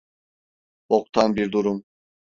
Boktan bir durum.